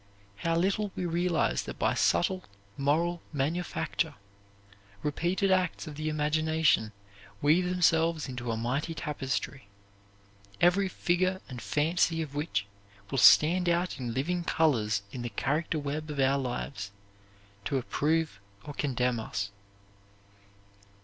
How little we realize that by subtle, moral manufacture, repeated acts of the imagination weave themselves into a mighty tapestry, every figure and fancy of which will stand out in living colors in the character web of our lives, to approve or condemn us.